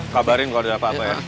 kabarin kalau ada apa apa ya